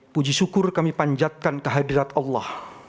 puji syukur kami panjatkan kehadirat allah